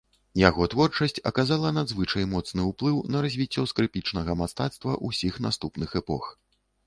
Яго творчасць аказала надзвычай моцны ўплыў на развіццё скрыпічнага мастацтва ўсіх наступных эпох.